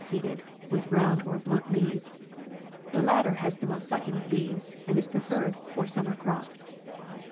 97 seeded, with round or blunt leaves. The latter has the most succulent leaves, and is preferred for summer crops.